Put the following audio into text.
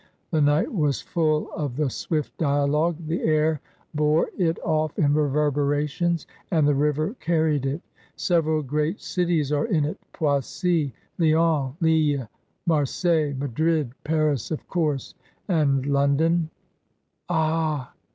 The night was full of the swift dialogue : the air bore it off in reverberations, and the river carried it. " Several great cities are in it — Poissy, Lyons, Lille, Marseilles, Madrid, Paris of course. A7id London^ "Ah